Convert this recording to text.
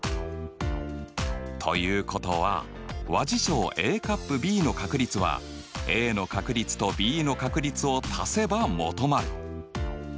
ということは和事象Ａ∪Ｂの確率はＡの確率とＢの確率を足せば求まる。